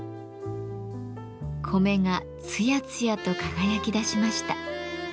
米がつやつやと輝きだしました。